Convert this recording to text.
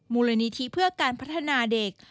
มูลนิธิเพื่อการพัฒนาเด็ก